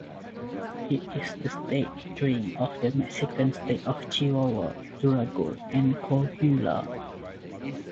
It is the state drink of the Mexican states of Chihuahua, Durango, and Coahuila.